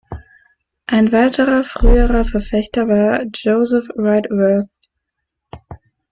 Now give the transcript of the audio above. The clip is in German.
Ein weiterer früherer Verfechter war Joseph Whitworth.